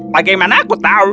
bagaimana aku tahu